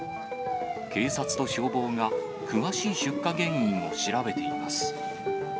警察と消防が詳しい出火原因を調べています。